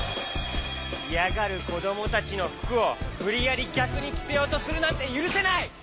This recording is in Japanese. いやがるこどもたちのふくをむりやりぎゃくにきせようとするなんてゆるせない！